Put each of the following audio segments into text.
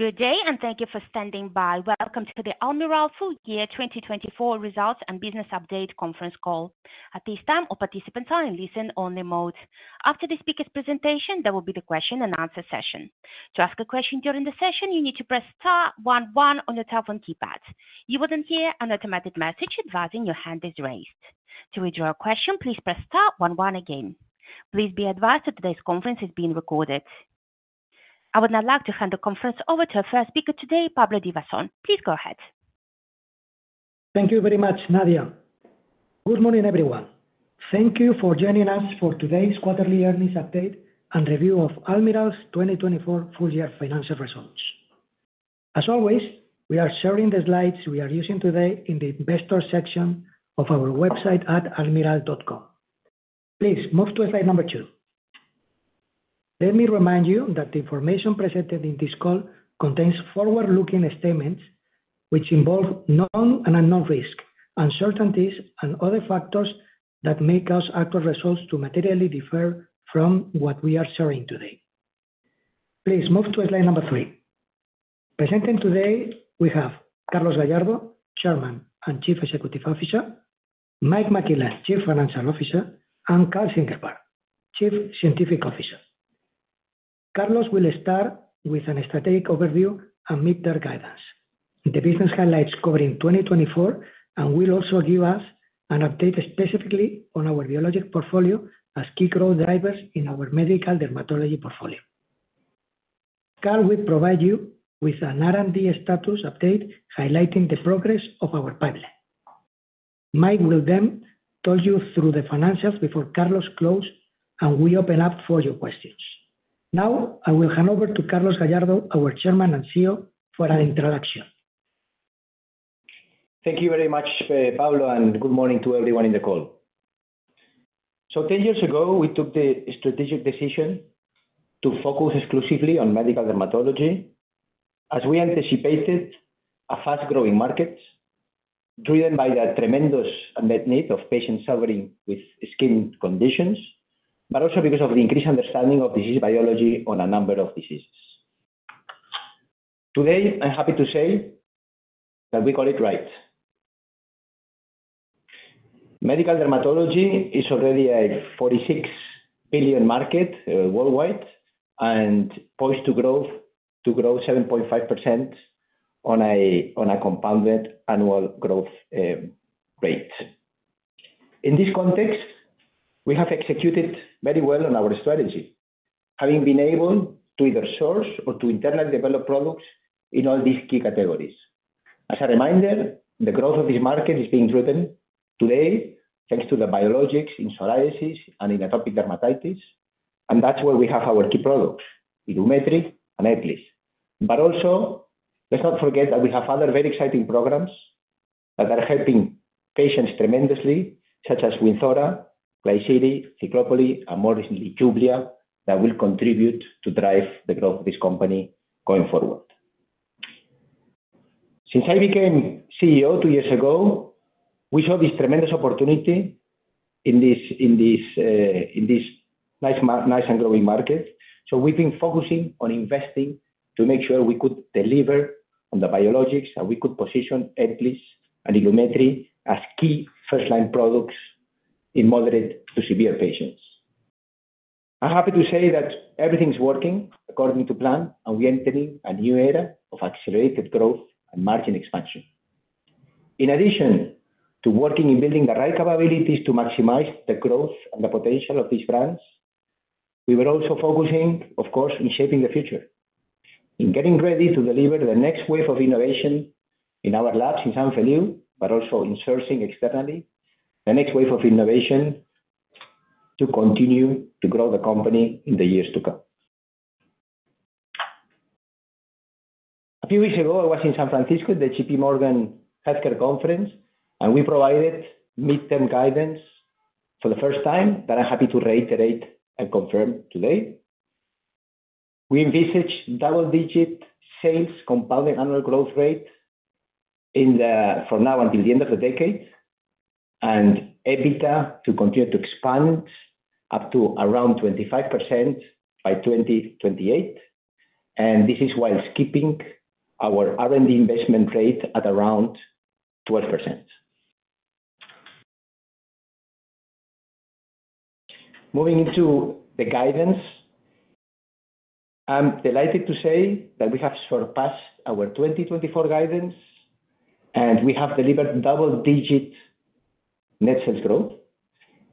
Good day, and thank you for standing by. Welcome to the Almirall Full Year 2024 results and business update conference call. At this time, all participants are in listen-only mode. After the speaker's presentation, there will be the question-and-answer session. To ask a question during the session, you need to press star one one on your telephone keypad. You will then hear an automated message advising your hand is raised. To withdraw a question, please press star one one again. Please be advised that today's conference is being recorded. I would now like to hand the conference over to our first speaker today, Pablo Divasson. Please go ahead. Thank you very much, Nadia. Good morning, everyone. Thank you for joining us for today's quarterly earnings update and review of Almirall's 2024 full-year financial results. As always, we are sharing the slides we are using today in the investor section of our website at almirall.com. Please move to slide number two. Let me remind you that the information presented in this call contains forward-looking statements which involve known and unknown risk, uncertainties, and other factors that may cause actual results to materially differ from what we are sharing today. Please move to slide number three. Presented today, we have Carlos Gallardo, Chairman and Chief Executive Officer, Mike McClellan, Chief Financial Officer, and Karl Ziegelbauer, Chief Scientific Officer. Carlos will start with a strategic overview and mid-term guidance, the business highlights covering 2024, and will also give us an update specifically on our biologic portfolio as key growth drivers in our medical dermatology portfolio. Karl will provide you with an R&D status update highlighting the progress of our pipeline. Mike will then talk you through the financials before Carlos closes, and we open up for your questions. Now, I will hand over to Carlos Gallardo, our Chairman and CEO, for an introduction. Thank you very much, Pablo, and good morning to everyone in the call. So, 10 years ago, we took the strategic decision to focus exclusively on medical dermatology as we anticipated a fast-growing market driven by the tremendous unmet need of patients suffering with skin conditions, but also because of the increased understanding of disease biology on a number of diseases. Today, I'm happy to say that we got it right. Medical dermatology is already a 46 billion market worldwide and poised to grow 7.5% on a compounded annual growth rate. In this context, we have executed very well on our strategy, having been able to either source or to internally develop products in all these key categories. As a reminder, the growth of this market is being driven today thanks to the biologics in psoriasis and in atopic dermatitis, and that's where we have our key products, Ilumetri and Ebglyss. But also, let's not forget that we have other very exciting programs that are helping patients tremendously, such as Wynzora, Klisyri, Ciclopoli, and more recently, Jublia, that will contribute to drive the growth of this company going forward. Since I became CEO two years ago, we saw this tremendous opportunity in this nice and growing market. So, we've been focusing on investing to make sure we could deliver on the biologics and we could position Ebglyss and Ilumetri as key first-line products in moderate to severe patients. I'm happy to say that everything's working according to plan, and we're entering a new era of accelerated growth and margin expansion. In addition to working in building the right capabilities to maximize the growth and the potential of these brands, we were also focusing, of course, on shaping the future, in getting ready to deliver the next wave of innovation in our labs in Sant Feliu de Llobregat, but also in sourcing externally, the next wave of innovation to continue to grow the company in the years to come. A few weeks ago, I was in San Francisco at the JPMorgan Healthcare Conference, and we provided mid-term guidance for the first time that I'm happy to reiterate and confirm today. We envisaged double-digit sales, compounded annual growth rate for now until the end of the decade, and EBITDA to continue to expand up to around 25% by 2028, and this is while keeping our R&D investment rate at around 12%. Moving into the guidance, I'm delighted to say that we have surpassed our 2024 guidance, and we have delivered double-digit net sales growth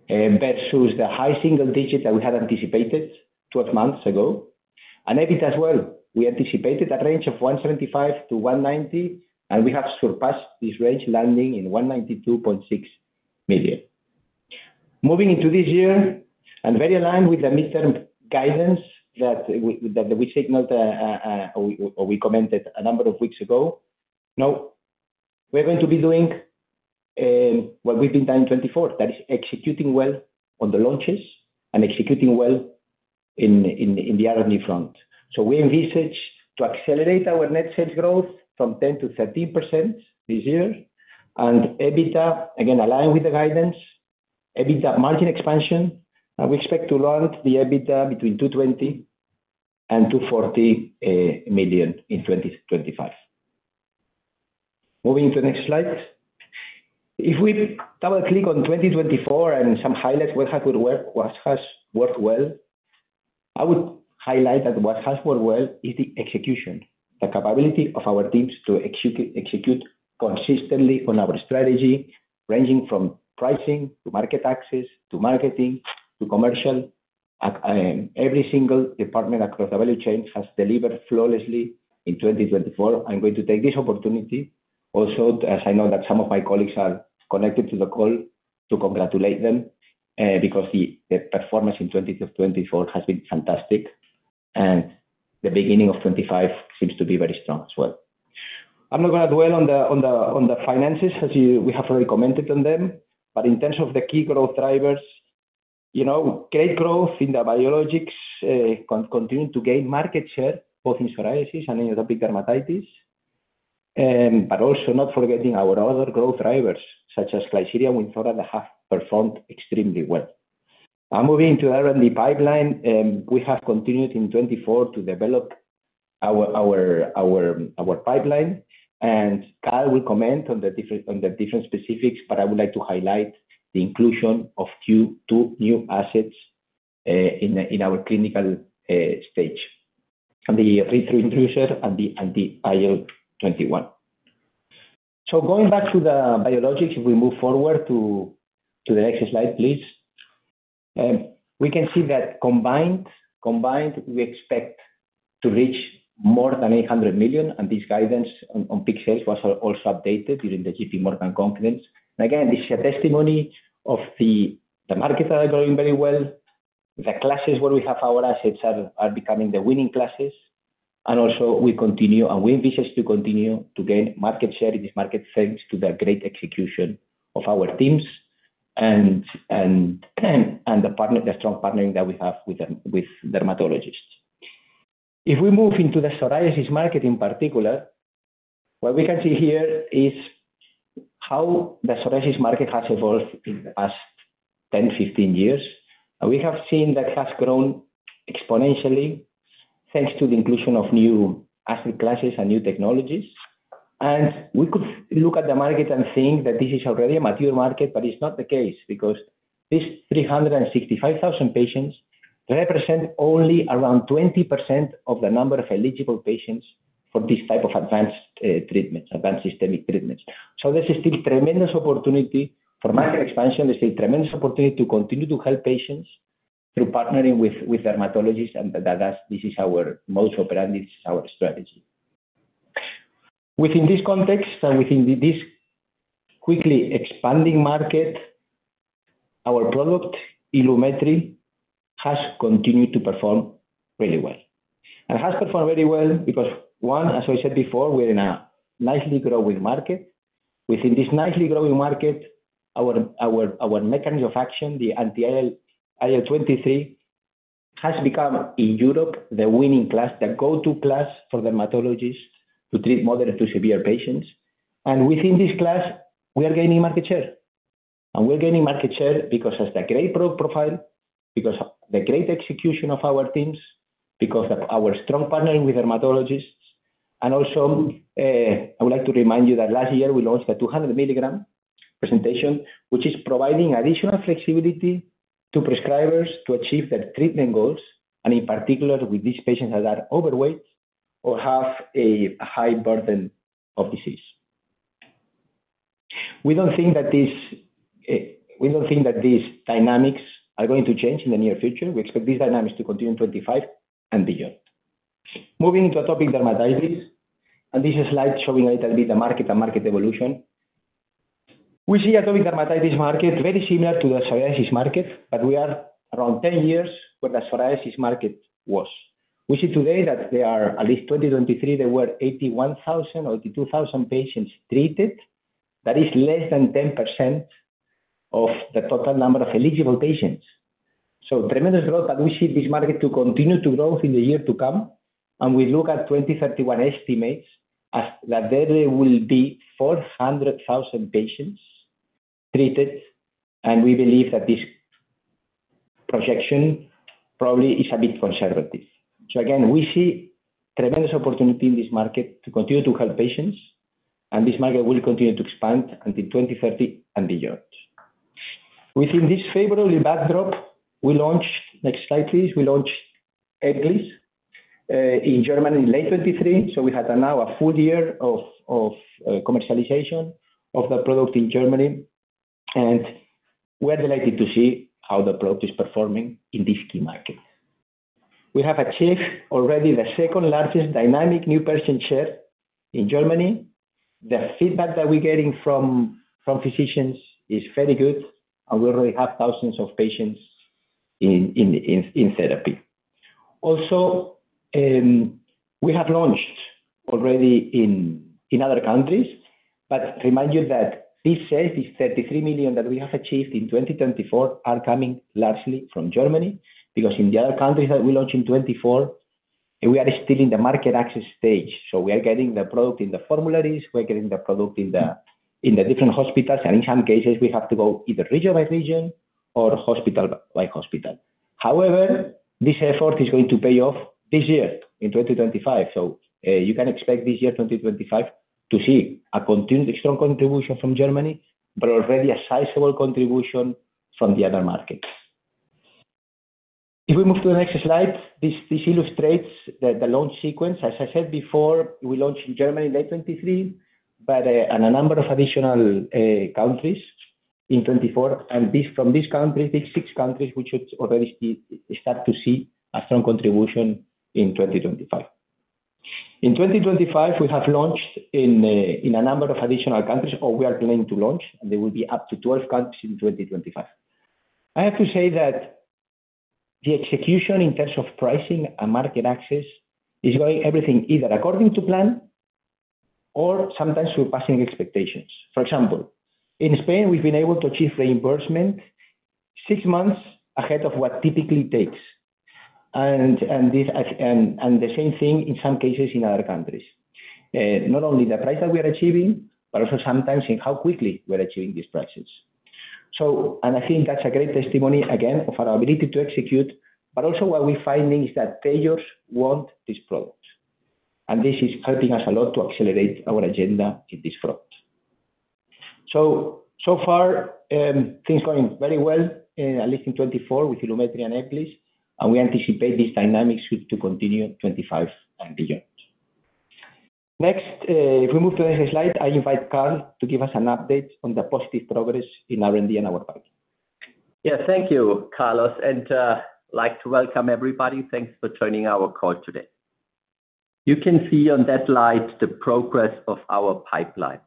versus the high single digit that we had anticipated 12 months ago. And EBITDA as well, we anticipated a range of 175 million-190 million, and we have surpassed this range, landing in 192.6 million. Moving into this year and very aligned with the mid-term guidance that we signaled or we commented a number of weeks ago, now we're going to be doing what we've been doing in 2024, that is executing well on the launches and executing well in the R&D front. So, we envisage to accelerate our net sales growth from 10%-13% this year, and EBITDA, again, aligned with the guidance, EBITDA margin expansion, and we expect to launch the EBITDA between 220 million and 240 million in 2025. Moving to the next slide. If we double-click on 2024 and some highlights of what has worked well, I would highlight that what has worked well is the execution, the capability of our teams to execute consistently on our strategy, ranging from pricing to market access to marketing to commercial. Every single department across the value chain has delivered flawlessly in 2024. I'm going to take this opportunity also, as I know that some of my colleagues are connected to the call, to congratulate them because the performance in 2024 has been fantastic, and the beginning of 2025 seems to be very strong as well. I'm not going to dwell on the finances, as we have already commented on them, but in terms of the key growth drivers, great growth in the biologics continuing to gain market share, both in psoriasis and in atopic dermatitis, but also not forgetting our other growth drivers, such as Klisyri, Wynzora, that have performed extremely well. Now, moving into the R&D pipeline, we have continued in 2024 to develop our pipeline, and Karl will comment on the different specifics, but I would like to highlight the inclusion of two new assets in our clinical stage, the read-through inducer and the IL-21. So, going back to the biologics, if we move forward to the next slide, please, we can see that combined, we expect to reach more than 800 million, and this guidance on peak sales was also updated during the JPMorgan Conference. And again, this is a testimony of the markets that are growing very well, the classes where we have our assets are becoming the winning classes, and also we continue and we envisage to continue to gain market share in this market thanks to the great execution of our teams and the strong partnering that we have with dermatologists. If we move into the psoriasis market in particular, what we can see here is how the psoriasis market has evolved in the past 10-15 years. We have seen that it has grown exponentially thanks to the inclusion of new asset classes and new technologies. And we could look at the market and think that this is already a mature market, but it's not the case because these 365,000 patients represent only around 20% of the number of eligible patients for this type of advanced treatments, advanced systemic treatments. This is still a tremendous opportunity for market expansion. This is a tremendous opportunity to continue to help patients through partnering with dermatologists, and this is our modus operandi, this is our strategy. Within this context and within this quickly expanding market, our product, Ilumetri, has continued to perform really well. It has performed very well because, one, as I said before, we're in a nicely growing market. Within this nicely growing market, our mechanism of action, the anti-IL-23, has become in Europe the winning class, the go-to class for dermatologists to treat moderate to severe patients. Within this class, we are gaining market share. We're gaining market share because of the great profile, because of the great execution of our teams, because of our strong partnering with dermatologists. I would like to remind you that last year, we launched the 200 milligram presentation, which is providing additional flexibility to prescribers to achieve their treatment goals, and in particular with these patients that are overweight or have a high burden of disease. We don't think that these dynamics are going to change in the near future. We expect these dynamics to continue in 2025 and beyond. Moving into atopic dermatitis, this is a slide showing a little bit the market and market evolution. We see atopic dermatitis market very similar to the psoriasis market, but we are around 10 years where the psoriasis market was. We see today that there are, at least 2023, there were 81,000 or 82,000 patients treated. That is less than 10% of the total number of eligible patients. Tremendous growth, but we see this market to continue to grow in the year to come. We look at 2031 estimates that there will be 400,000 patients treated, and we believe that this projection probably is a bit conservative. Again, we see tremendous opportunity in this market to continue to help patients, and this market will continue to expand until 2030 and beyond. Within this favorable backdrop, we launched, next slide, please, we launched Ebglyss in Germany in late 2023. We had now a full year of commercialization of the product in Germany, and we're delighted to see how the product is performing in this key market. We have achieved already the second largest dynamic new patient share in Germany. The feedback that we're getting from physicians is very good, and we already have thousands of patients in therapy. Also, we have launched already in other countries, but remind you that these sales, these 33 million that we have achieved in 2024, are coming largely from Germany because in the other countries that we launched in 2024, we are still in the market access stage. So, we are getting the product in the formularies, we're getting the product in the different hospitals, and in some cases, we have to go either region by region or hospital by hospital. However, this effort is going to pay off this year in 2025. So, you can expect this year 2025 to see a strong contribution from Germany, but already a sizable contribution from the other markets. If we move to the next slide, this illustrates the launch sequence. As I said before, we launched in Germany in late 2023, but in a number of additional countries in 2024, and from these countries, these six countries, we should already start to see a strong contribution in 2025. In 2025, we have launched in a number of additional countries, or we are planning to launch, and there will be up to 12 countries in 2025. I have to say that the execution in terms of pricing and market access is going everything either according to plan or sometimes surpassing expectations. For example, in Spain, we've been able to achieve reimbursement six months ahead of what typically takes, and the same thing in some cases in other countries. Not only the price that we are achieving, but also sometimes in how quickly we're achieving these prices. So, and I think that's a great testimony, again, of our ability to execute, but also what we're finding is that payers want this product, and this is helping us a lot to accelerate our agenda in this front. So, so far, things are going very well, at least in 2024 with Ilumetri and Ebglyss, and we anticipate these dynamics to continue 2025 and beyond. Next, if we move to the next slide, I invite Karl to give us an update on the positive progress in R&D and our pipeline. Yeah, thank you, Carlos, and I'd like to welcome everybody. Thanks for joining our call today. You can see on that slide the progress of our pipeline.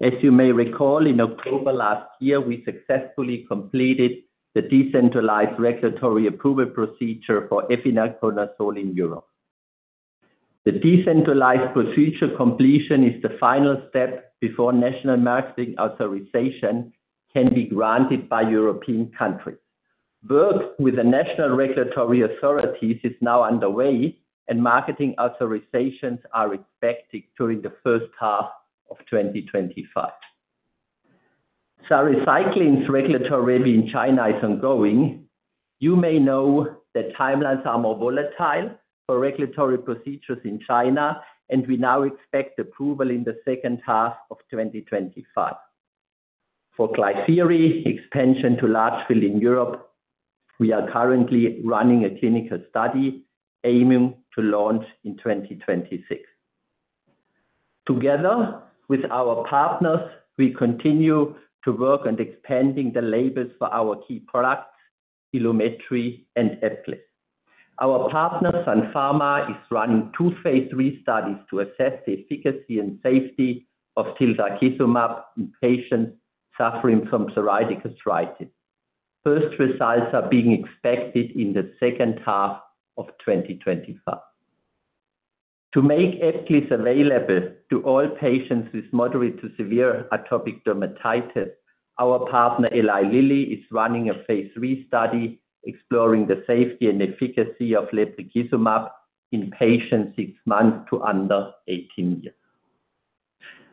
As you may recall, in October last year, we successfully completed the decentralized regulatory approval procedure for efinaconazole in Europe. The decentralized procedure completion is the final step before national marketing authorization can be granted by European countries. Work with the national regulatory authorities is now underway, and marketing authorizations are expected during the first half of 2025. Seysara's regulatory review in China is ongoing. You may know that timelines are more volatile for regulatory procedures in China, and we now expect approval in the second half of 2025. For Klisyri, label expansion in Europe, we are currently running a clinical study aiming to launch in 2026. Together with our partners, we continue to work on expanding the labels for our key products, Ilumetri and Ebglyss. Our partner Sun Pharma is running two phase III studies to assess the efficacy and safety of tildrakizumab in patients suffering from psoriatic arthritis. First results are being expected in the second half of 2025. To make Ebglyss available to all patients with moderate to severe atopic dermatitis, our partner Eli Lilly is running a phase III study exploring the safety and efficacy of lebrikizumab in patients six months to under 18 years.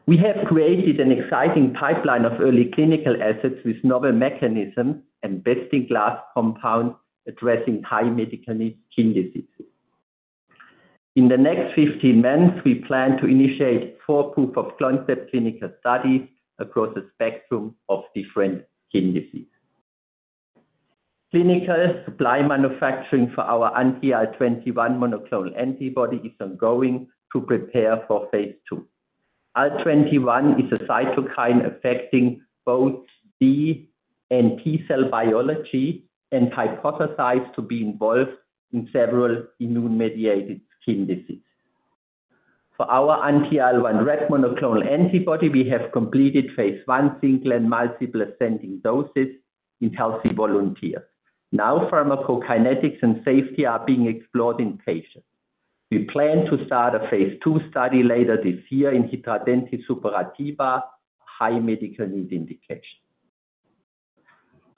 We have created an exciting pipeline of early clinical assets with novel mechanisms and best-in-class compounds addressing high medically needed skin diseases. In the next 15 months, we plan to initiate four proof-of-concept clinical studies across a spectrum of different skin diseases. Clinical supply manufacturing for our anti-IL-21 monoclonal antibody is ongoing to prepare for phase II. IL-21 is a cytokine affecting both B and T cell biology and hypothesized to be involved in several immune-mediated skin diseases. For our anti-IL-1RAP monoclonal antibody, we have completed phase I single and multiple ascending doses in healthy volunteers. Now, pharmacokinetics and safety are being explored in patients. We plan to start a phase II study later this year in hidradenitis suppurativa, high medically needed indication.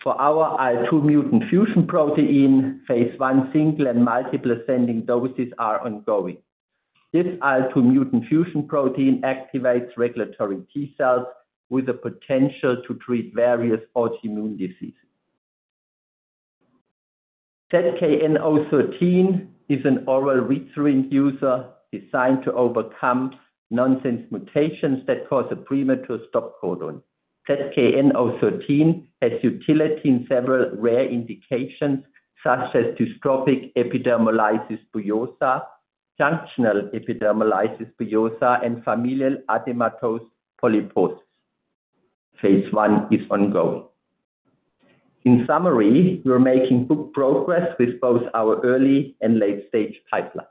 For our IL-2 mutant fusion protein, phase I single and multiple ascending doses are ongoing. This IL-2 mutant fusion protein activates regulatory T cells with the potential to treat various autoimmune diseases. ZKN-013 is an oral read-through inducer designed to overcome nonsense mutations that cause a premature stop codon. ZKN-013 has utility in several rare indications such as dystrophic epidermolysis bullosa, junctional epidermolysis bullosa, and familial adenomatous polyposis. Phase I is ongoing. In summary, we're making good progress with both our early and late-stage pipeline.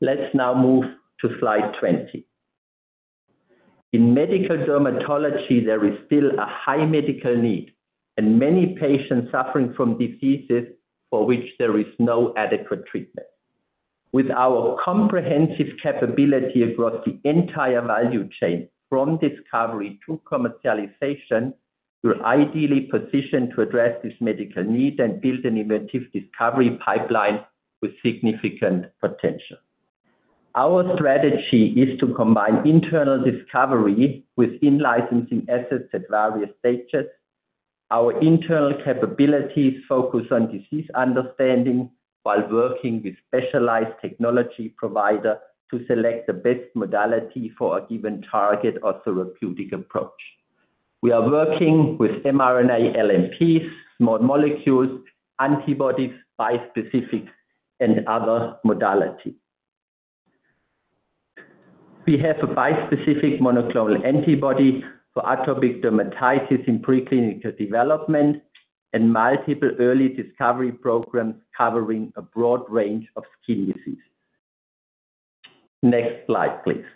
Let's now move to slide 20. In medical dermatology, there is still a high medical need and many patients suffering from diseases for which there is no adequate treatment. With our comprehensive capability across the entire value chain from discovery to commercialization, we're ideally positioned to address this medical need and build an innovative discovery pipeline with significant potential. Our strategy is to combine internal discovery with in-licensing assets at various stages. Our internal capabilities focus on disease understanding while working with specialized technology providers to select the best modality for a given target or therapeutic approach. We are working with mRNA LNPs, small molecules, antibodies, bispecifics, and other modalities. We have a bispecific monoclonal antibody for atopic dermatitis in preclinical development and multiple early discovery programs covering a broad range of skin diseases. Next slide, please.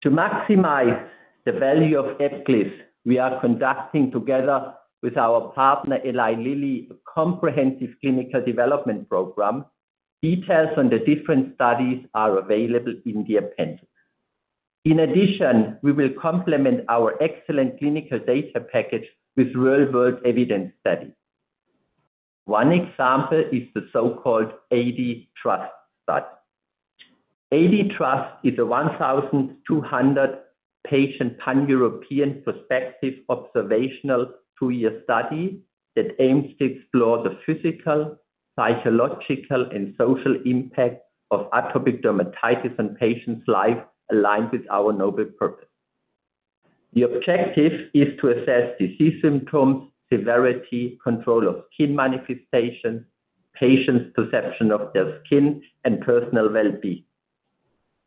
To maximize the value of Ebglyss, we are conducting together with our partner Eli Lilly a comprehensive clinical development program. Details on the different studies are available in the appendix. In addition, we will complement our excellent clinical data package with real-world evidence studies. One example is the so-called ADTrust study. ADTrust is a 1,200-patient pan-European prospective observational two-year study that aims to explore the physical, psychological, and social impact of atopic dermatitis on patients' lives aligned with our noble purpose. The objective is to assess disease symptoms, severity, control of skin manifestations, patients' perception of their skin, and personal well-being,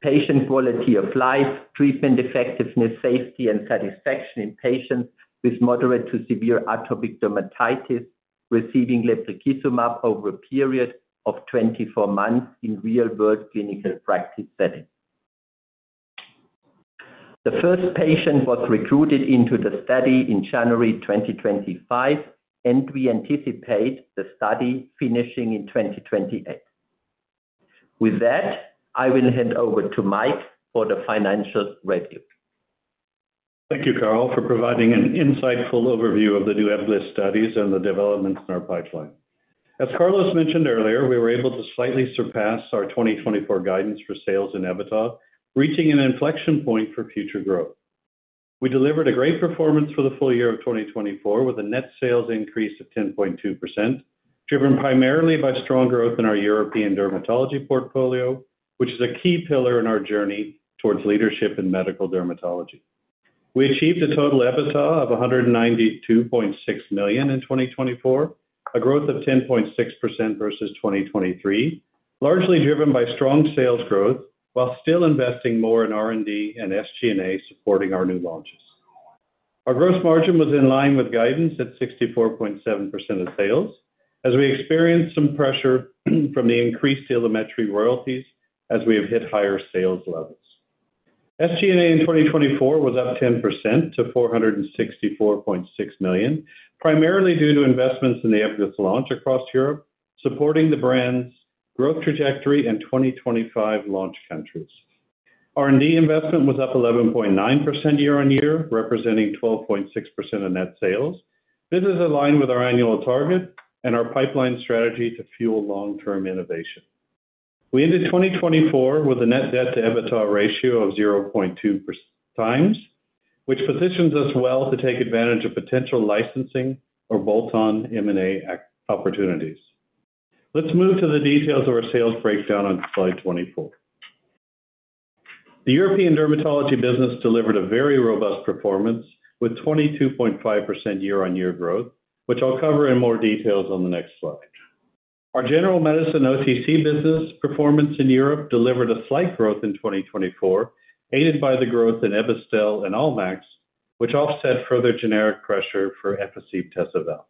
patient quality of life, treatment effectiveness, safety, and satisfaction in patients with moderate to severe atopic dermatitis receiving lebrikizumab over a period of 24 months in real-world clinical practice settings. The first patient was recruited into the study in January 2025, and we anticipate the study finishing in 2028. With that, I will hand over to Mike for the financial review. Thank you, Karl, for providing an insightful overview of the new Ebglyss studies and the developments in our pipeline. As Carlos mentioned earlier, we were able to slightly surpass our 2024 guidance for sales and EBITDA, reaching an inflection point for future growth. We delivered a great performance for the full year of 2024 with a net sales increase of 10.2%, driven primarily by strong growth in our European Dermatology portfolio, which is a key pillar in our journey towards leadership in medical dermatology. We achieved a total EBITDA of 192.6 million in 2024, a growth of 10.6% versus 2023, largely driven by strong sales growth while still investing more in R&D and SG&A supporting our new launches. Our gross margin was in line with guidance at 64.7% of sales, as we experienced some pressure from the increased Ebglyss royalties as we have hit higher sales levels. SG&A in 2024 was up 10% to 464.6 million, primarily due to investments in the Ebglyss launch across Europe, supporting the brand's growth trajectory and 2025 launch countries. R&D investment was up 11.9% year-on-year, representing 12.6% of net sales. This is aligned with our annual target and our pipeline strategy to fuel long-term innovation. We ended 2024 with a net debt-to-EBITDA ratio of 0.2x, which positions us well to take advantage of potential licensing or bolt-on M&A opportunities. Let's move to the details of our sales breakdown on slide 24. The European Dermatology business delivered a very robust performance with 22.5% year-on-year growth, which I'll cover in more details on the next slide. Our general medicine OTC business performance in Europe delivered a slight growth in 2024, aided by the growth in Ebastel and Almax, which offset further generic pressure for Efficib, Tesavel.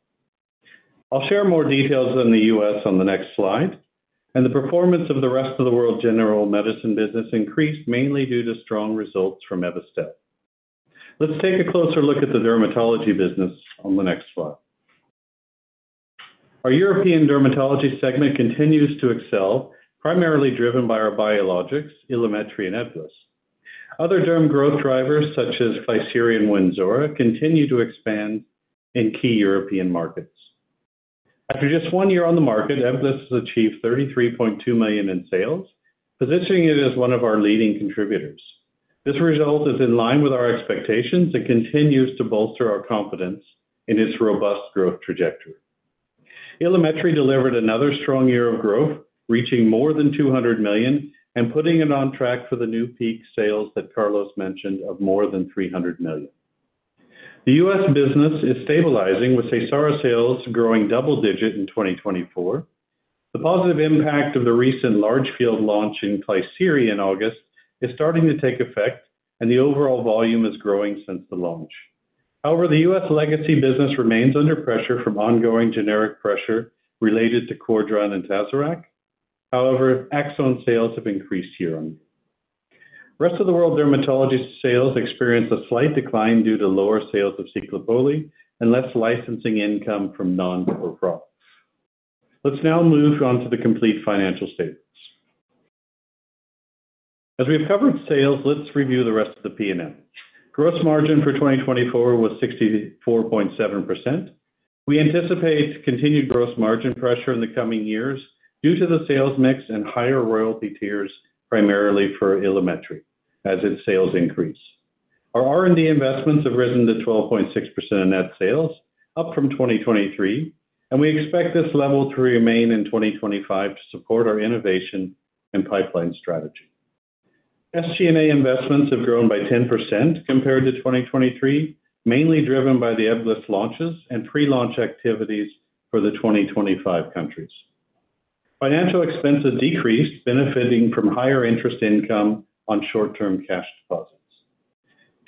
I'll share more details on the U.S. on the next slide, and the performance of the rest of the world general medicine business increased mainly due to strong results from Ebastel. Let's take a closer look at the dermatology business on the next slide. Our European Dermatology segment continues to excel, primarily driven by our biologics, Ilumetri and Ebglyss. Other derm growth drivers, such as Klisyri and Wynzora, continue to expand in key European markets. After just one year on the market, Ebglyss has achieved 33.2 million in sales, positioning it as one of our leading contributors. This result is in line with our expectations and continues to bolster our confidence in its robust growth trajectory. Ilumetri delivered another strong year of growth, reaching more than 200 million and putting it on track for the new peak sales that Carlos mentioned of more than 300 million. The U.S. business is stabilizing with Seysara sales growing double-digit in 2024. The positive impact of the recent large field launch in Klisyri in August is starting to take effect, and the overall volume is growing since the launch. However, the U.S. legacy business remains under pressure from ongoing generic pressure related to Cordran and Tazorac, however, Ebastel sales have increased year on. The rest of the world dermatology sales experience a slight decline due to lower sales of Ciclopoli and less licensing income from non-core products. Let's now move on to the complete financial statements. As we've covered sales, let's review the rest of the P&L. Gross margin for 2024 was 64.7%. We anticipate continued gross margin pressure in the coming years due to the sales mix and higher royalty tiers, primarily for Ilumetri, as its sales increase. Our R&D investments have risen to 12.6% of net sales, up from 2023, and we expect this level to remain in 2025 to support our innovation and pipeline strategy. SG&A investments have grown by 10% compared to 2023, mainly driven by the Ebglyss launches and pre-launch activities for the 2025 countries. Financial expenses decreased, benefiting from higher interest income on short-term cash deposits.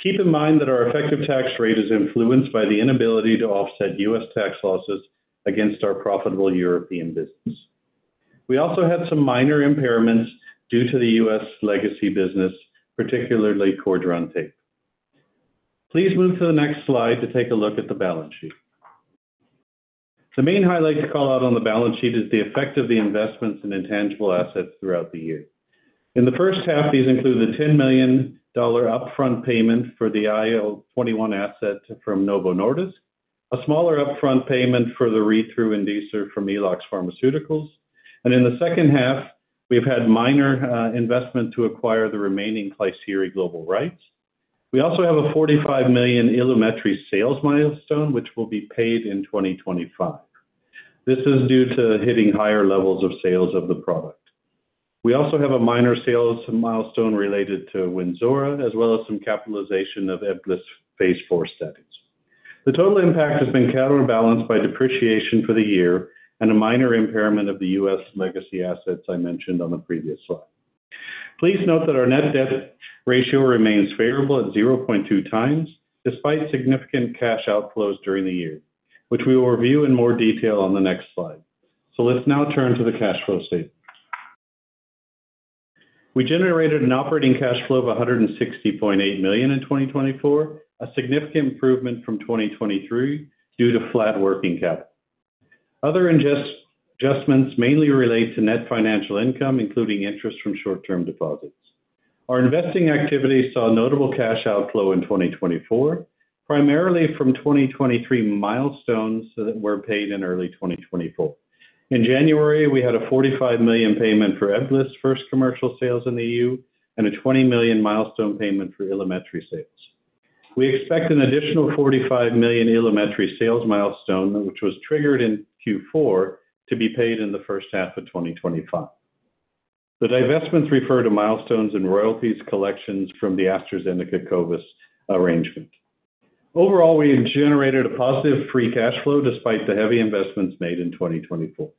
Keep in mind that our effective tax rate is influenced by the inability to offset U.S. tax losses against our profitable European business. We also had some minor impairments due to the U.S. legacy business, particularly Cordran Tape. Please move to the next slide to take a look at the balance sheet. The main highlight to call out on the balance sheet is the effect of the investments in intangible assets throughout the year. In the first half, these include the $10 million upfront payment for the IL-21 asset from Novo Nordisk, a smaller upfront payment for the read-through inducer from Eloxx Pharmaceuticals, and in the second half, we've had minor investment to acquire the remaining Klisyri global rights. We also have a $45 million Ilumetri sales milestone, which will be paid in 2025. This is due to hitting higher levels of sales of the product. We also have a minor sales milestone related to Wynzora, as well as some capitalization of Ebglyss phase IV studies. The total impact has been counterbalanced by depreciation for the year and a minor impairment of the U.S. legacy assets I mentioned on the previous slide. Please note that our net debt ratio remains favorable at 0.2x, despite significant cash outflows during the year, which we will review in more detail on the next slide. Let's now turn to the cash flow statement. We generated an operating cash flow of 160.8 million in 2024, a significant improvement from 2023 due to flat working capital. Other adjustments mainly relate to net financial income, including interest from short-term deposits. Our investing activity saw notable cash outflow in 2024, primarily from 2023 milestones that were paid in early 2024. In January, we had a $45 million payment for Ebglyss' first commercial sales in the EU and a $20 million milestone payment for Ilumetri sales. We expect an additional EUR $45 million Ilumetri sales milestone, which was triggered in Q4, to be paid in the first half of 2025. The divestments refer to milestones and royalties collections from the AstraZeneca-Covis Pharma arrangement. Overall, we generated a positive free cash flow despite the heavy investments made in 2024.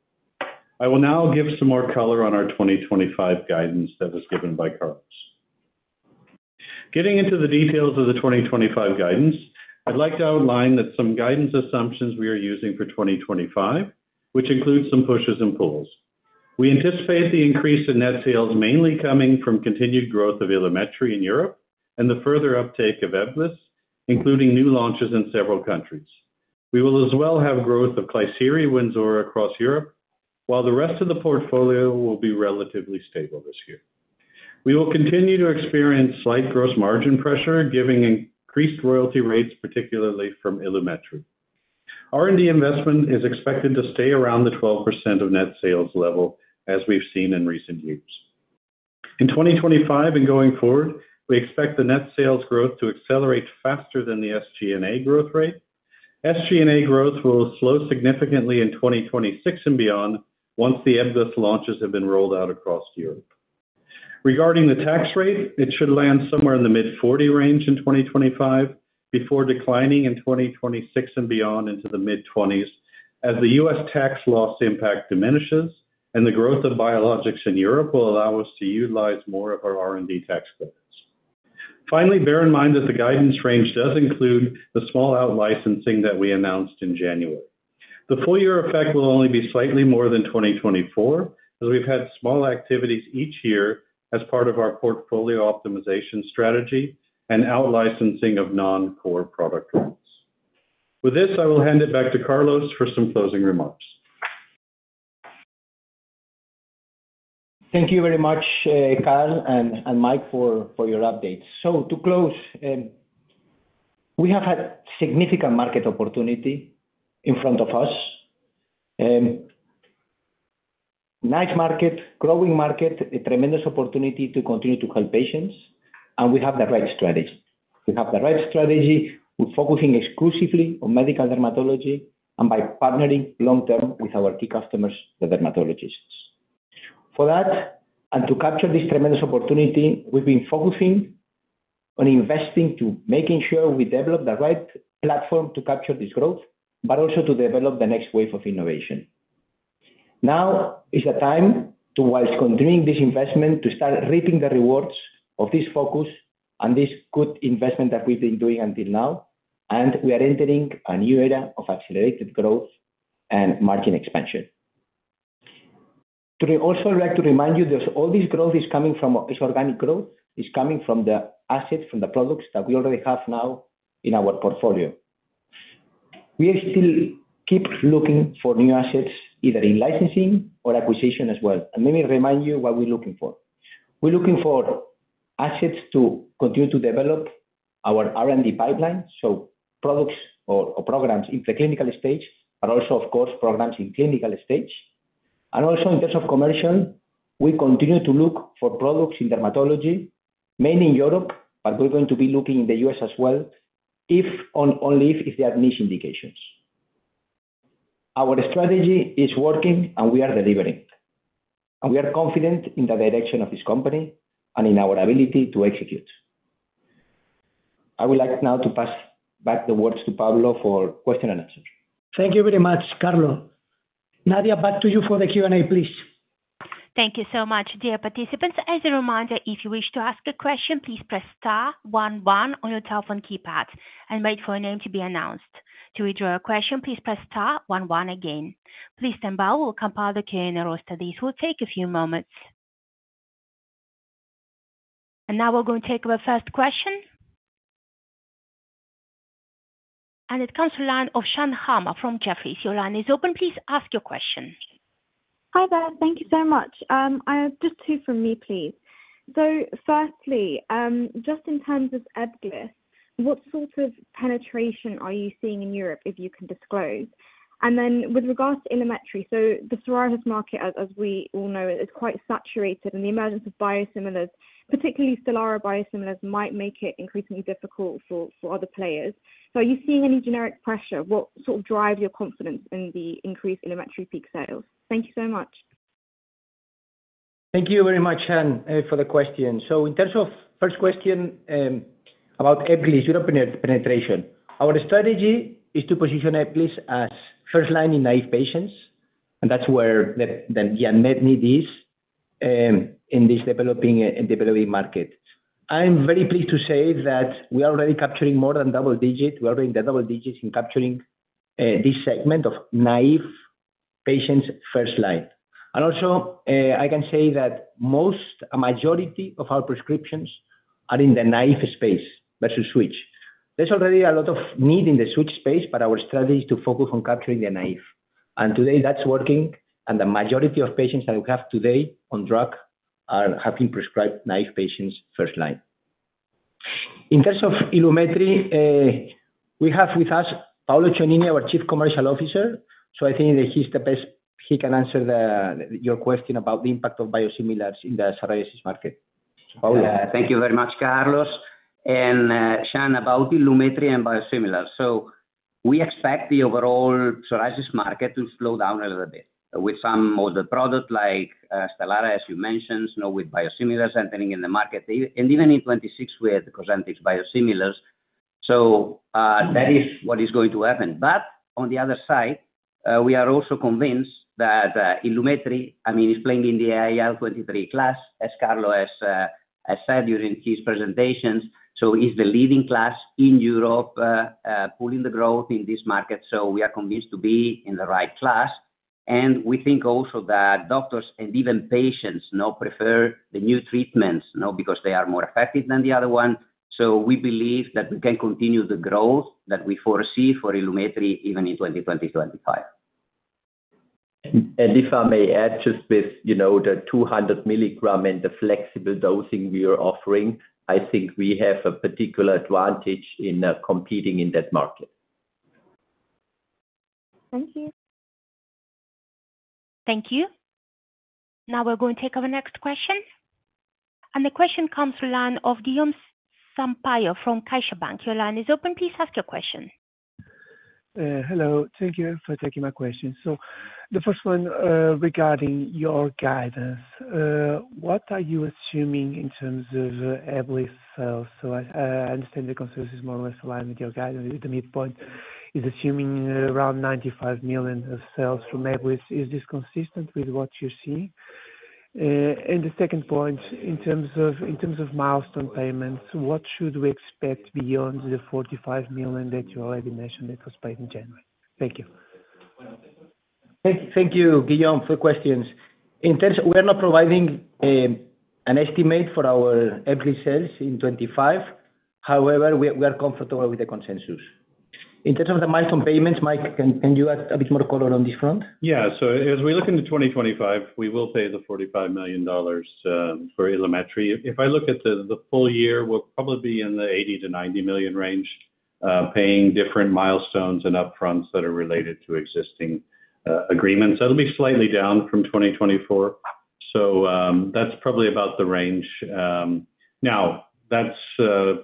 I will now give some more color on our 2025 guidance that was given by Carlos. Getting into the details of the 2025 guidance, I'd like to outline some guidance assumptions we are using for 2025, which include some pushes and pulls. We anticipate the increase in net sales mainly coming from continued growth of Ilumetri in Europe and the further uptake of Ebglyss, including new launches in several countries. We will as well have growth of Klisyri Wynzora across Europe, while the rest of the portfolio will be relatively stable this year. We will continue to experience slight gross margin pressure, giving increased royalty rates, particularly from Ilumetri. R&D investment is expected to stay around the 12% of net sales level as we've seen in recent years. In 2025 and going forward, we expect the net sales growth to accelerate faster than the SG&A growth rate. SG&A growth will slow significantly in 2026 and beyond once the Ebglyss launches have been rolled out across Europe. Regarding the tax rate, it should land somewhere in the mid-40% range in 2025 before declining in 2026 and beyond into the mid-20s% as the U.S. tax loss impact diminishes and the growth of biologics in Europe will allow us to utilize more of our R&D tax credits. Finally, bear in mind that the guidance range does include the small out-licensing that we announced in January. The full year effect will only be slightly more than 2024, as we've had small activities each year as part of our portfolio optimization strategy and out-licensing of non-core product lines. With this, I will hand it back to Carlos for some closing remarks. Thank you very much, Karl and Mike, for your updates. So to close, we have a significant market opportunity in front of us. Nice market, growing market, a tremendous opportunity to continue to help patients, and we have the right strategy. We have the right strategy with focusing exclusively on medical dermatology and by partnering long-term with our key customers, the dermatologists. For that and to capture this tremendous opportunity, we've been focusing on investing to making sure we develop the right platform to capture this growth, but also to develop the next wave of innovation. Now is the time to, while continuing this investment, start reaping the rewards of this focus and this good investment that we've been doing until now, and we are entering a new era of accelerated growth and margin expansion. I'd also like to remind you that all this growth is coming from. It's organic growth, coming from the assets, from the products that we already have now in our portfolio. We still keep looking for new assets, either in licensing or acquisition as well. And let me remind you what we're looking for. We're looking for assets to continue to develop our R&D pipeline, so products or programs in the clinical stage, but also, of course. And also, in terms of commercial, we continue to look for products in dermatology, mainly in Europe, but we're going to be looking in the U.S. as well, only if they have niche indications. Our strategy is working, and we are delivering. And we are confident in the direction of this company and in our ability to execute. I would like now to pass back the words to Pablo for question and answer. Thank you very much, Carlos. Nadia, back to you for the Q&A, please. Thank you so much, dear participants. As a reminder, if you wish to ask a question, please press star one one on your telephone keypad and wait for your name to be announced. To withdraw your question, please press star one one again. Please stand by, we'll compile the Q&A roster. This will take a few moments. And now we're going to take our first question. And it comes from the line of Shan Hama from Jefferies. Your line is open. Please ask your question. Hi there, thank you so much. Just two from me, please. So firstly, just in terms of Ebglyss, what sort of penetration are you seeing in Europe, if you can disclose? With regards to Ilumetri, the psoriasis market, as we all know, is quite saturated, and the emergence of biosimilars, particularly Stelara biosimilars, might make it increasingly difficult for other players. Are you seeing any generic pressure? What sort of drives your confidence in the increase in Ilumetri peak sales? Thank you so much. Thank you very much, Shan, for the question. In terms of the first question about Ebglyss's European penetration, our strategy is to position Ebglyss as first-line in naive patients, and that's where the unmet need is in this developing market. I'm very pleased to say that we are already capturing more than double digits. We are already in the double digits in capturing this segment of naive patients' first line. Also, I can say that most, a majority of our prescriptions are in the naive space versus switch. There's already a lot of need in the switch space, but our strategy is to focus on capturing the naive, and today, that's working, and the majority of patients that we have today on drug have been prescribed naive patients' first line. In terms of Ilumetri, we have with us Paolo Cionini, our Chief Commercial Officer, so I think that he's the best he can answer your question about the impact of biosimilars in the psoriasis market. Thank you very much, Carlos, and Shan, about Ilumetri and biosimilars, so we expect the overall psoriasis market to slow down a little bit with some of the products like Stelara, as you mentioned, with biosimilars entering in the market, and even in 2026 with Cosentyx biosimilars, so that is what is going to happen. But on the other side, we are also convinced that Ilumetri, I mean, is playing in the IL-23 class, as Carlos has said during his presentations. So it's the leading class in Europe, pulling the growth in this market. So we are convinced to be in the right class. And we think also that doctors and even patients now prefer the new treatments because they are more effective than the other one. So we believe that we can continue the growth that we foresee for Ilumetri even in 2020-2025. And if I may add, just with the 200 milligram and the flexible dosing we are offering, I think we have a particular advantage in competing in that market. Thank you. Thank you. Now we're going to take our next question. And the question comes from the line of Guilherme Sampaio from CaixaBank. Your line is open. Please ask your question. Hello, thank you for taking my question. So the first one regarding your guidance, what are you assuming in terms of Ebglyss sales? So I understand the consensus is more or less aligned with your guidance. The midpoint is assuming around 95 million sales from Ebglyss. Is this consistent with what you're seeing? And the second point, in terms of milestone payments, what should we expect beyond the $45 million that you already mentioned that was paid in January? Thank you. Thank you, Guilherme, for the questions. In terms of, we are not providing an estimate for our Ebglyss sales in 2025. However, we are comfortable with the consensus. In terms of the milestone payments, Mike, can you add a bit more color on this front? Yeah. So as we look into 2025, we will pay the $45 million for Ilumetri. If I look at the full year, we'll probably be in the 80 million-90 million range, paying different milestones and upfronts that are related to existing agreements. That'll be slightly down from 2024. So that's probably about the range. Now, that's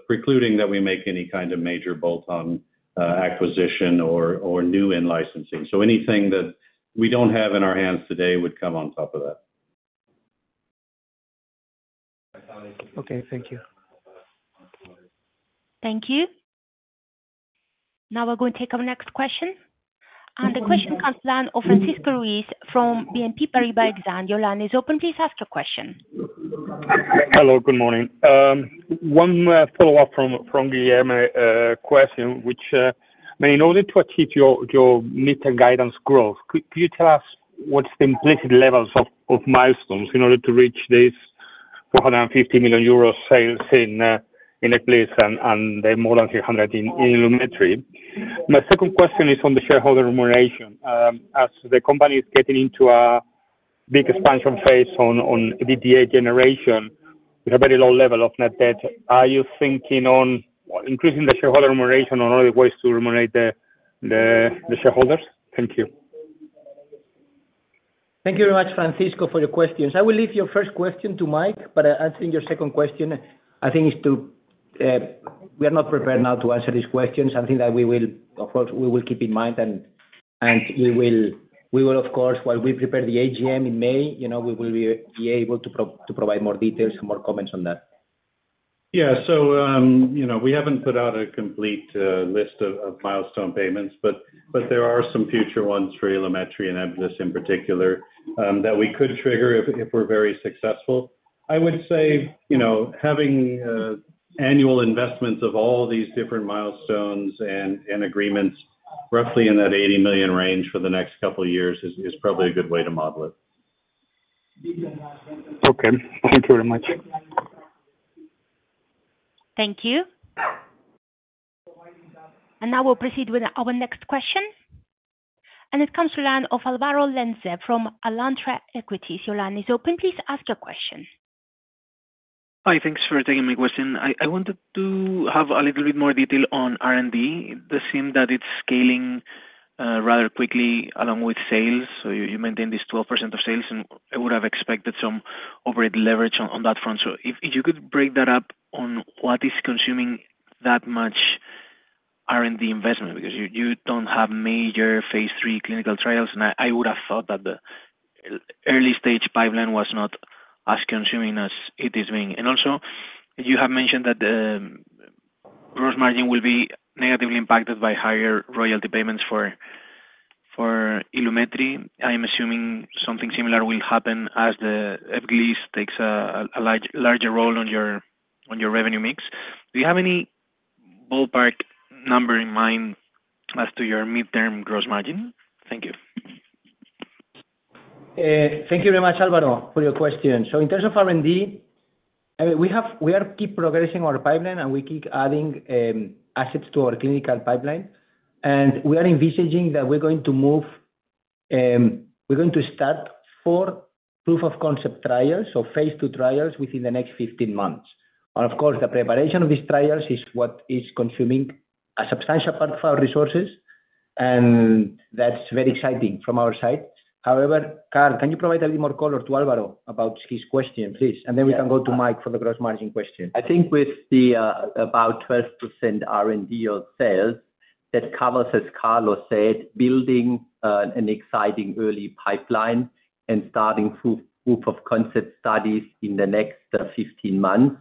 precluding that we make any kind of major bolt-on acquisition or new in licensing. So anything that we don't have in our hands today would come on top of that. Okay, thank you. Thank you. Now we're going to take our next question. And the question comes from the line of Francisco Ruiz from BNP Paribas Exane. Your line is open. Please ask your question. Hello, good morning. One follow-up from Guilherme's question, which, in order to achieve your mid-term guidance growth, could you tell us what's the implicit levels of milestones in order to reach these 450 million euro sales in Ebglyss and the more than 300 million in Ilumetri? My second question is on the shareholder remuneration. As the company is getting into a big expansion phase on EBITDA generation, we have a very low level of net debt. Are you thinking on increasing the shareholder remuneration or other ways to remunerate the shareholders? Thank you. Thank you very much, Francisco, for your questions. I will leave your first question to Mike, but I think your second question is that we are not prepared now to answer these questions. I think that we will, of course, we will keep in mind, and we will, of course, while we prepare the AGM in May, we will be able to provide more details and more comments on that. Yeah. So we haven't put out a complete list of milestone payments, but there are some future ones for Ilumetri and Ebglyss in particular that we could trigger if we're very successful. I would say having annual investments of all these different milestones and agreements roughly in that 80 million range for the next couple of years is probably a good way to model it. Okay. Thank you very much. Thank you. And now we'll proceed with our next question. And it comes from the line of Álvaro Lenze from Alantra Equities. Your line is open. Please ask your question. Hi, thanks for taking my question. I wanted to have a little bit more detail on R&D. It seems that it's scaling rather quickly along with sales. So you maintain this 12% of sales, and I would have expected some overhead leverage on that front. So if you could break that up on what is consuming that much R&D investment, because you don't have major phase III clinical trials, and I would have thought that the early stage pipeline was not as consuming as it is being. Also, you have mentioned that the gross margin will be negatively impacted by higher royalty payments for Ilumetri. I'm assuming something similar will happen as the Ebglyss takes a larger role on your revenue mix. Do you have any ballpark number in mind as to your mid-term gross margin? Thank you. Thank you very much, Álvaro, for your question. In terms of R&D, we keep progressing our pipeline, and we keep adding assets to our clinical pipeline. We are envisaging that we're going to move, we're going to start four proof-of-concept trials, so phase II trials within the next 15 months. Of course, the preparation of these trials is what is consuming a substantial part of our resources, and that's very exciting from our side. However, Karl, can you provide a bit more color to Álvaro about his question, please? Then we can go to Mike for the gross margin question. I think with the about 12% R&D or sales that covers, as Carlos said, building an exciting early pipeline and starting proof-of-concept studies in the next 15 months.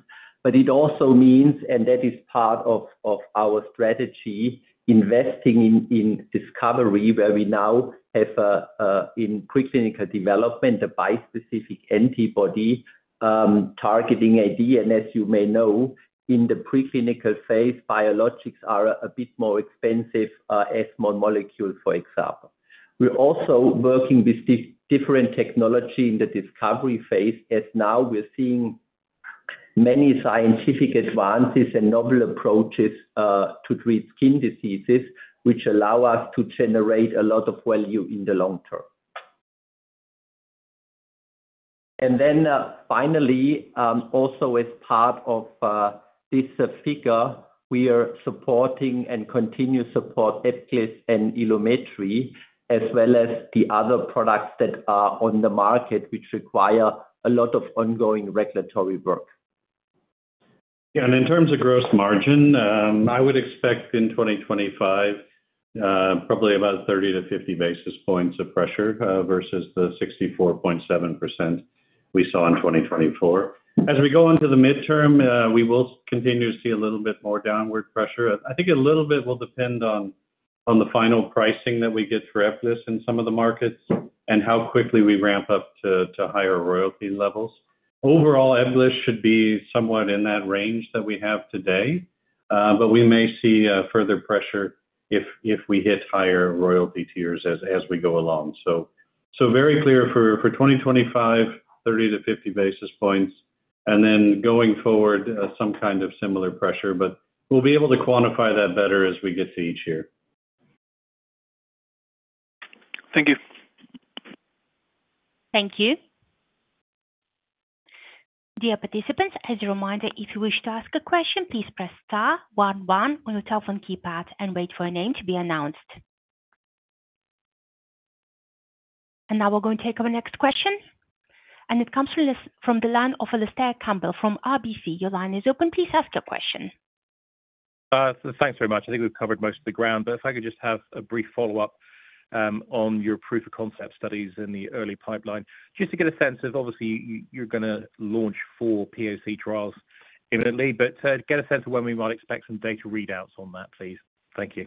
But it also means, and that is part of our strategy, investing in discovery where we now have in preclinical development a bispecific antibody targeting AD. As you may know, in the preclinical phase, biologics are a bit more expensive as molecules, for example. We're also working with different technology in the discovery phase, as now we're seeing many scientific advances and novel approaches to treat skin diseases, which allow us to generate a lot of value in the long term. And then finally, also as part of this figure, we are supporting and continue to support Ebglyss and Ilumetri, as well as the other products that are on the market, which require a lot of ongoing regulatory work. Yeah. And in terms of gross margin, I would expect in 2025, probably about 30-50 basis points of pressure versus the 64.7% we saw in 2024. As we go into the midterm, we will continue to see a little bit more downward pressure. I think a little bit will depend on the final pricing that we get for Ebglyss in some of the markets and how quickly we ramp up to higher royalty levels. Overall, Ebglyss should be somewhat in that range that we have today, but we may see further pressure if we hit higher royalty tiers as we go along. So very clear for 2025, 30-50 basis points, and then going forward, some kind of similar pressure, but we'll be able to quantify that better as we get to each year. Thank you. Thank you. Dear participants, as a reminder, if you wish to ask a question, please press star one one on your telephone keypad and wait for your name to be announced. And now we're going to take our next question. And it comes from the line of Alistair Campbell from RBC. Your line is open. Please ask your question. Thanks very much. I think we've covered most of the ground, but if I could just have a brief follow-up on your proof-of-concept studies in the early pipeline, just to get a sense of, obviously, you're going to launch four POC trials imminently, but get a sense of when we might expect some data readouts on that, please. Thank you.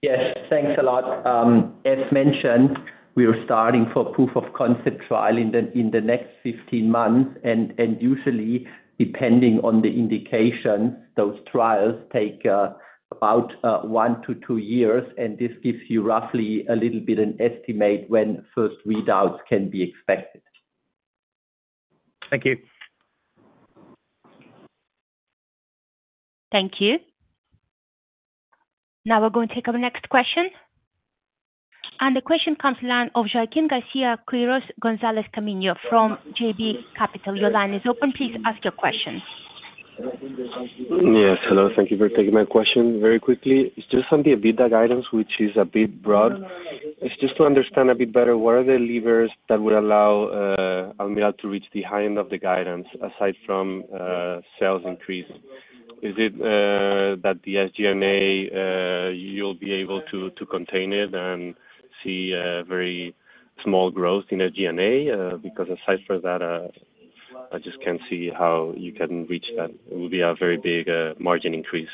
Yes. Thanks a lot. As mentioned, we are starting for proof-of-concept trial in the next 15 months. And usually, depending on the indications, those trials take about one to two years, and this gives you roughly a little bit of an estimate when first readouts can be expected. Thank you. Thank you. Now we're going to take our next question. And the question comes from the line of Joaquin Garcia-Quiros from JB Capital Markets. Your line is open. Please ask your question. Yes. Hello. Thank you for taking my question very quickly. It's just on the EBITDA guidance, which is a bit broad. It's just to understand a bit better what are the levers that would allow Almirall to reach the high end of the guidance aside from sales increase. Is it that the SG&A, you'll be able to contain it and see very small growth in SG&A? Because aside from that, I just can't see how you can reach that. It would be a very big margin increase.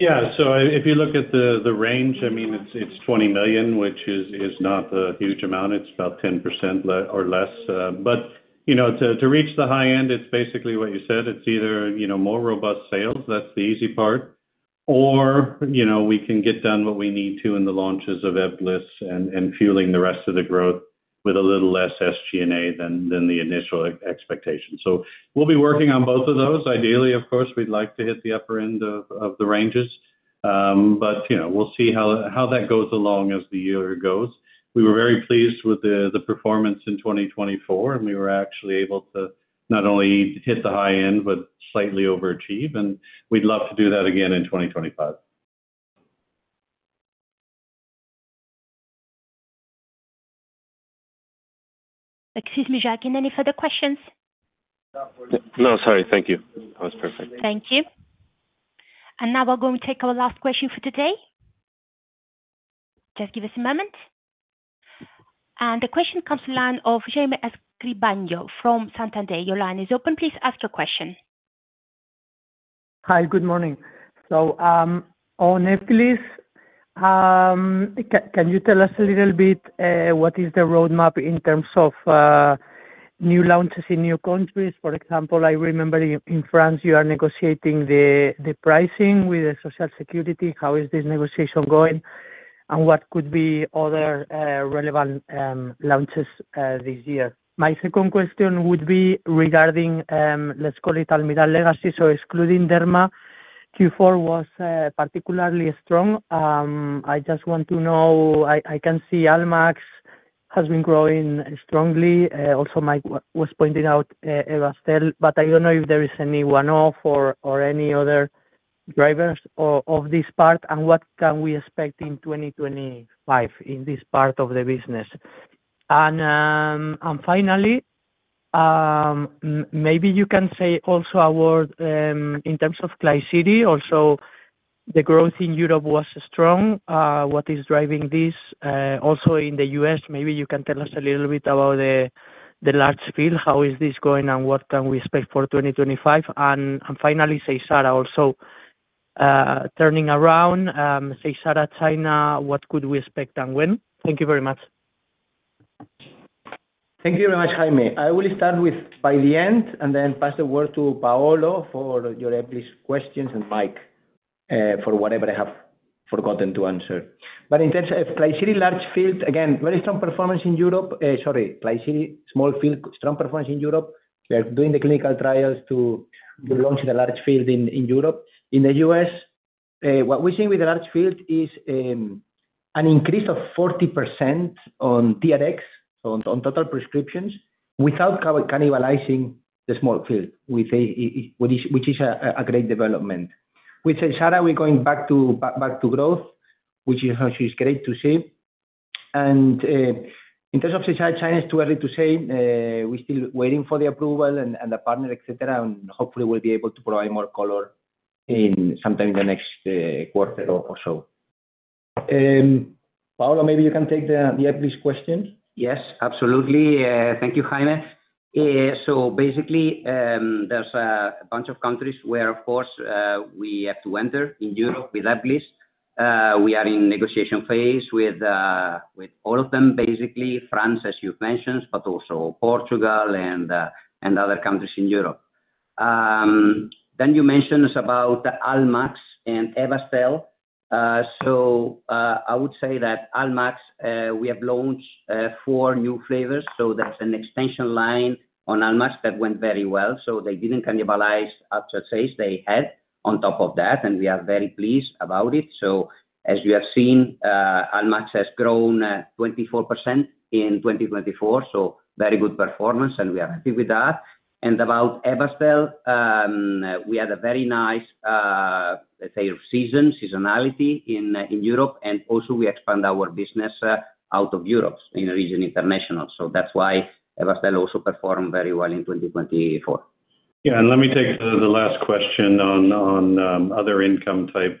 Yeah. So if you look at the range, I mean, it's 20 million, which is not a huge amount. It's about 10% or less. But to reach the high end, it's basically what you said. It's either more robust sales, that's the easy part, or we can get done what we need to in the launches of Ebglyss and fueling the rest of the growth with a little less SG&A than the initial expectation. So we'll be working on both of those. Ideally, of course, we'd like to hit the upper end of the ranges, but we'll see how that goes along as the year goes. We were very pleased with the performance in 2024, and we were actually able to not only hit the high end but slightly overachieve, and we'd love to do that again in 2025. Excuse me, Joaquin, any further questions? No, sorry. Thank you. That was perfect. Thank you. Now we're going to take our last question for today. Just give us a moment. The question comes from the line of Jaime Escribano from Santander. Your line is open. Please ask your question. Hi, good morning. So on Ebglyss, can you tell us a little bit what is the roadmap in terms of new launches in new countries? For example, I remember in France, you are negotiating the pricing with Social Security. How is this negotiation going, and what could be other relevant launches this year? My second question would be regarding, let's call it Almirall Legacy, so excluding Derma, Q4 was particularly strong. I just want to know, I can see Almax has been growing strongly. Also, Mike was pointing out Ebastel, but I don't know if there is any one-off or any other drivers of this part, and what can we expect in 2025 in this part of the business? And finally, maybe you can say also a word in terms of Klisyri. Also, the growth in Europe was strong. What is driving this? Also, in the US, maybe you can tell us a little bit about the large field. How is this going, and what can we expect for 2025? And finally, Seysara also turning around. Seysara China, what could we expect and when? Thank you very much. Thank you very much, Jaime. I will start by the end and then pass the word to Paolo for your Ebglyss questions and Mike for whatever I have forgotten to answer. But in terms of Klisyri large field, again, very strong performance in Europe. Sorry, Klisyri small field, strong performance in Europe. We are doing the clinical trials to launch the large field in Europe. In the US, what we're seeing with the large field is an increase of 40% on TRx, so on total prescriptions, without cannibalizing the small field, which is a great development. With Seysara, we're going back to growth, which is great to see. And in terms of Seysara China, it's too early to say. We're still waiting for the approval and the partner, etc., and hopefully, we'll be able to provide more color sometime in the next quarter or so. Paolo, maybe you can take the Ebglyss question. Yes, absolutely. Thank you, Jaime. So basically, there's a bunch of countries where, of course, we have to enter in Europe with Ebglyss. We are in negotiation phase with all of them, basically. France, as you've mentioned, but also Portugal and other countries in Europe. Then you mentioned about Almax and Ebastel. So I would say that Almax, we have launched four new flavors. So there's an extension line on Almax that went very well. They didn't cannibalize after-sales. They had that on top of it, and we are very pleased about it. As you have seen, Almax has grown 24% in 2024, so very good performance, and we are happy with that. About Ebastel, we had a very nice, let's say, seasonality in Europe, and also we expanded our business out of Europe in international regions. That's why Ebastel also performed very well in 2024. Yeah. Let me take the last question on other income-type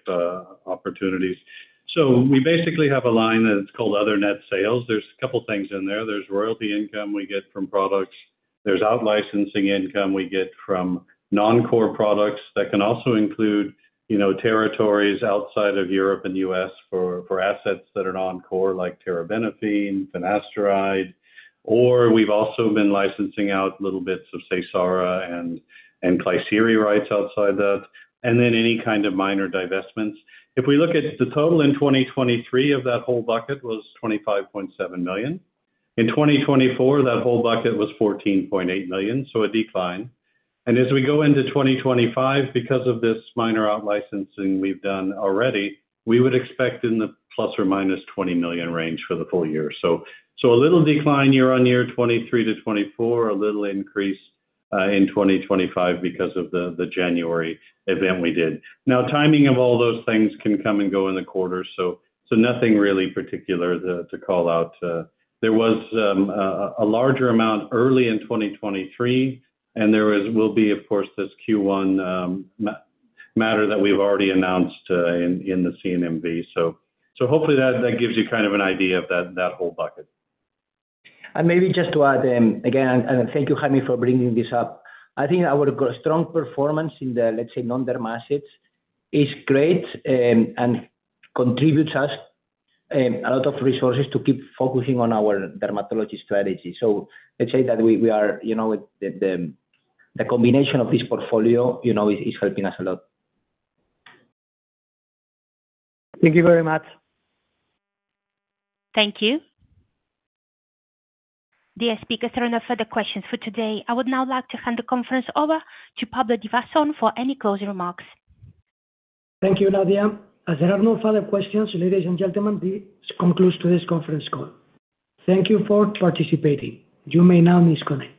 opportunities. We basically have a line that's called other net sales. There's a couple of things in there. There's royalty income we get from products. There's out-licensing income we get from non-core products that can also include territories outside of Europe and U.S. for assets that are non-core, like terbinafine, finasteride. Or we've also been licensing out little bits of Seysara and Klisyri rights outside that, and then any kind of minor divestments. If we look at the total in 2023 of that whole bucket was 25.7 million. In 2024, that whole bucket was 14.8 million, so a decline. And as we go into 2025, because of this minor out-licensing we've done already, we would expect in the ±20 million range for the full year. So a little decline year on year 2023-2024, a little increase in 2025 because of the January event we did. Now, timing of all those things can come and go in the quarter, so nothing really particular to call out. There was a larger amount early in 2023, and there will be, of course, this Q1 matter that we've already announced in the CNMV. So hopefully, that gives you kind of an idea of that whole bucket. And maybe just to add, again, and thank you, Jaime, for bringing this up. I think our strong performance in the, let's say, non-derm assets is great and contributes us a lot of resources to keep focusing on our dermatology strategy. So let's say that we are with the combination of this portfolio is helping us a lot. Thank you very much. Thank you. Dear speakers, there are no further questions for today. I would now like to hand the conference over to Pablo Divasson for any closing remarks. Thank you, Nadia. As there are no further questions, ladies and gentlemen, this concludes today's conference call. Thank you for participating. You may now disconnect.